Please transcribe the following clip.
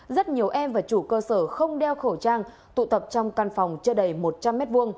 rất nhiều em và chủ cơ sở không đeo khẩu trang tụ tập trong căn phòng chưa đầy một trăm linh m hai